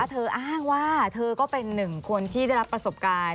เธออ้างว่าเธอก็เป็นหนึ่งคนที่ได้รับประสบการณ์